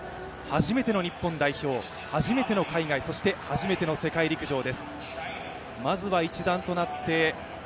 初めての日本代表、初めての海外そして初めての世界陸上です。